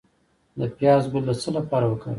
د پیاز ګل د څه لپاره وکاروم؟